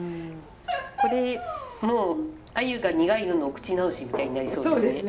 これもう鮎が苦いののお口直しみたいになりそうですね。